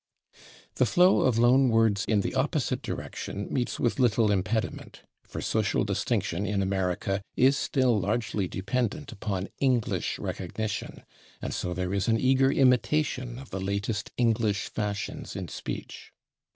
The flow of loan words in the opposite direction meets with little impediment, for social distinction in America is still largely dependent upon English recognition, and so there is an eager imitation of the latest English fashions in speech.